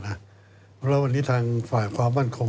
แล้ววันนี้ทางฝ่าความมั่นคง